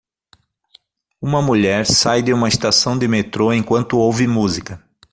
Uma mulher sai de uma estação de metrô enquanto ouve música.